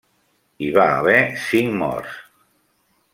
Hi va haver cinc morts.